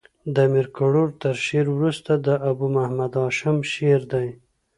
د امیر کروړ تر شعر وروسته د ابو محمد هاشم شعر دﺉ.